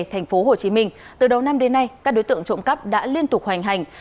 thành phố hồ chí minh từ đầu năm đến nay các đối tượng trộm cắp đã liên tục hoành hành